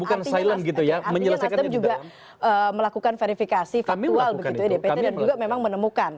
artinya nasdem juga melakukan verifikasi faktual begitu ya dpt dan juga memang menemukan